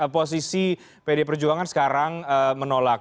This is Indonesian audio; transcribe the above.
posisi pd perjuangan sekarang menolak